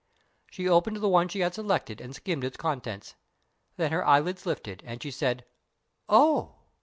She opened the one she had selected and skimmed its contents. Then her eyelids lifted, and she said: "Oh!"